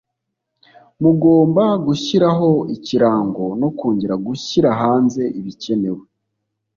mugomba gushyiraho ikirango no kongera gushyira hanze ibikenewe